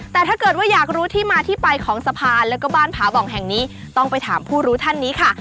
แต่ถ้าเกิดว่าอยากรู้ที่มาที่ไปของสะพานแล้วก็บ้านผาบ่องแห่งนี้ต้องไปถามผู้รู้ท่านนี้ค่ะ